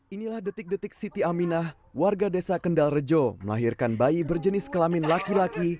inilah detik detik siti aminah warga desa kendal rejo melahirkan bayi berjenis kelamin laki laki